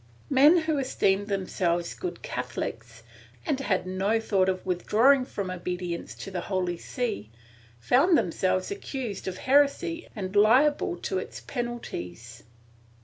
Men who esteemed themselves good Catholics, and had no thought of withdrawing from obedience to the Holy See, found themselves accused of heresy and liable to its penalties.